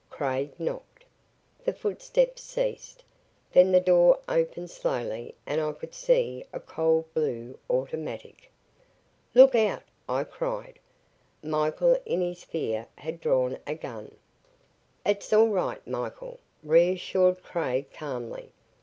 Craig knocked. The footsteps ceased. Then the door opened slowly and I could see a cold blue automatic. "Look out!" I cried. Michael in his fear had drawn a gun. "It's all right, Michael," reassured Craig calmly.